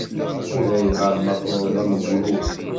Ulayɣer ma truḍ am ugrud.